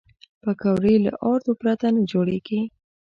پکورې له آردو پرته نه جوړېږي